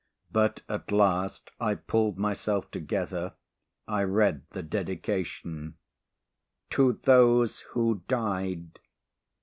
But, at last, I pulled myself together. I read the dedication, "To those who died."